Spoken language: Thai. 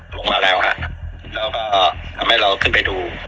ลงมาแล้วฮะแล้วก็ทำให้เราขึ้นไปดู